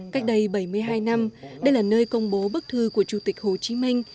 cách đây bảy mươi hai năm đây là nơi công bố bức thư của chủ tịch hồ chí minh